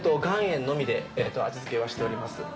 岩塩のみで味付けはしております。